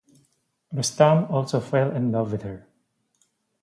Rustam also fell in love with her.